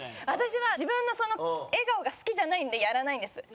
私は自分の笑顔が好きじゃないのでやらないんです。